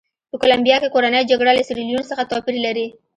په کولمبیا کې کورنۍ جګړه له سیریلیون څخه توپیر لري.